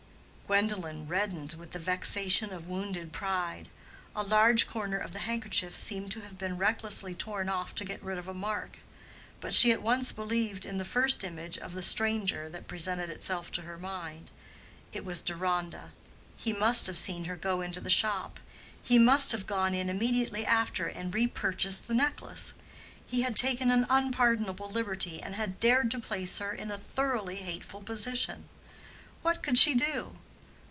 _" Gwendolen reddened with the vexation of wounded pride. A large corner of the handkerchief seemed to have been recklessly torn off to get rid of a mark; but she at once believed in the first image of "the stranger" that presented itself to her mind. It was Deronda; he must have seen her go into the shop; he must have gone in immediately after and repurchased the necklace. He had taken an unpardonable liberty, and had dared to place her in a thoroughly hateful position. What could she do?